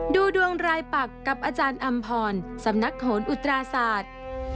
ดูดวงรายปักกับอาจารย์อำพรสำนักโหนอุตราศาสตร์